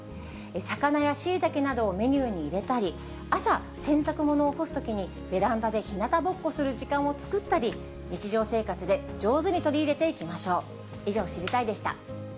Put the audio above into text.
魚やシイタケなどをメニューに入れたり、朝、洗濯物を干すときに、ベランダでひなたぼっこする時間を作ったり、日常生活で上手に取り入れていきましょう。